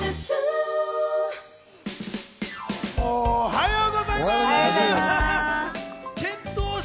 おはようございます。